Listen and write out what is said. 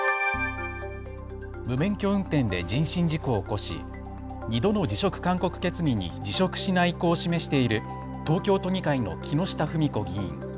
無免許運転で人身事故を起こし２度の辞職勧告決議に辞職しない意向を示している東京都議会の木下富美子議員。